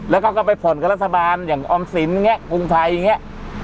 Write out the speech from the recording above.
แล้วก็กลับไปผ่อนกับรัฐบาลอย่างออมสินอย่างเงี้ยภูมิไทยอย่างเงี้ย